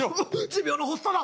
持病の発作だ。